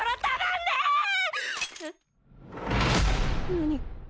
何？